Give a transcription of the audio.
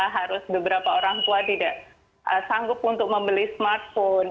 harus beberapa orang tua tidak sanggup untuk membeli smartphone